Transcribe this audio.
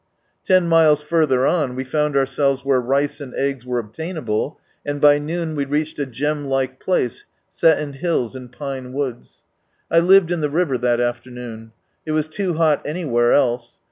Ten miles further on, we found ourselves where rice and eggs were obtainable, and by noon we reached a gem like place set in hills and pine woods. 1 hved in the river that afternoon. It was too hot anywhere else.